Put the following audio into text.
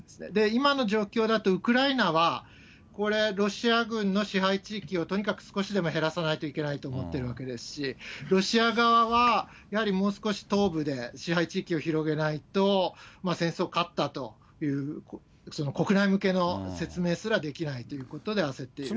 今の状況だと、ウクライナはこれ、ロシア軍の支配地域をとにかく少しでも減らさないといけないと思ってるわけですし、ロシア側は、やはりもう少し東部で支配地域を広げないと、戦争勝ったという国内向けの説明すらできないということで、焦っていると。